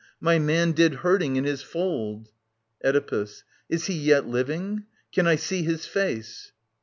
My man did herding in his fold. . t ^ Oedipus. Is he yet living ? Can I see his face